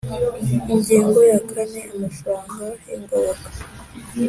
Ingingo ya kane Amafaranga y ingoboka